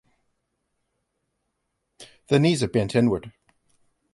The knees are bent inward.